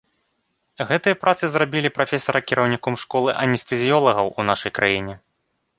Гэтыя працы зрабілі прафесара кіраўніком школы анестэзіёлагаў ў нашай краіне.